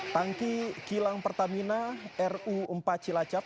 tangki kilang pertamina ru empat cilacap